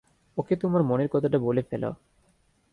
ওকে তোমার মনের কথাটা বলে ফেলো।